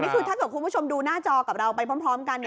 อ๋อนี่คือถ้าส่วนคุณผู้ชมดูหน้าจอกับเราไปพร้อมกัน